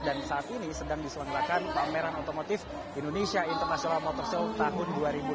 dan saat ini sedang diselenggarakan pameran otomotif indonesia international motor show tahun dua ribu dua puluh empat